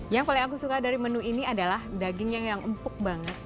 yang paling aku suka dari menu ini adalah dagingnya yang empuk banget